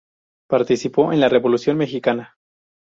Participó en la Revolución Mexicana.